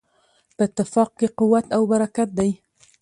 په اتفاق کې قوت او برکت دی.